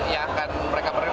ya akan mereka memperbaiki